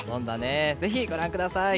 ぜひご覧ください。